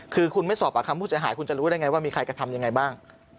คือคุณไม่สอบปากคำผู้เสียหายคุณจะรู้ได้ไงว่ามีใครกระทำยังไงบ้าง